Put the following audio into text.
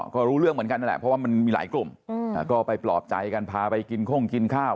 ก็รู้เรื่องเหมือนกันนั่นแหละเพราะว่ามันมีหลายกลุ่มก็ไปปลอบใจกันพาไปกินโค้งกินข้าว